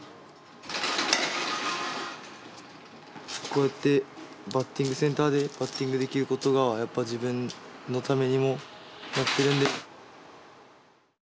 こうやってバッティングセンターでバッティングできることがやっぱ自分のためにもなってるんで。